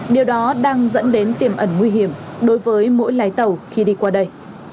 điều đó đang dẫn đến tiềm ẩn nguy hiểm đối với mỗi lái tàu khi đi qua đây